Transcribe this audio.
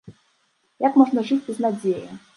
Як можна жыць без надзеі?!